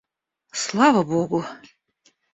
Слава Богу!